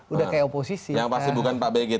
udah kayak oposisi yang pasti bukan pak begin